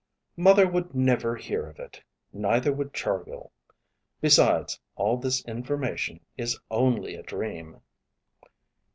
"Mother would never hear of it. Neither would Chargill. Besides, all this information is only a dream."